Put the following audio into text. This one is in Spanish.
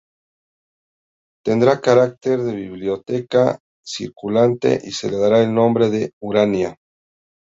Tendrá carácter de biblioteca circulante y se le dará el nombre de "Urania".